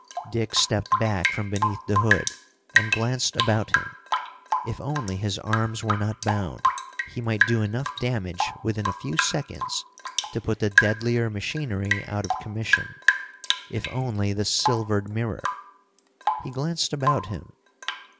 Dick stepped back from beneath the hood and glanced about him. If only his arms were not bound, he might do enough damage within a few seconds to put the deadlier machinery out of commission, if only the silvered mirror. He glanced about him.